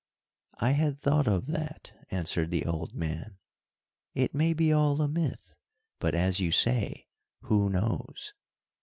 "I had thought of that," answered the old man. "It may be all a myth, but as you say 'who knows!'